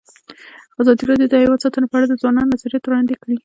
ازادي راډیو د حیوان ساتنه په اړه د ځوانانو نظریات وړاندې کړي.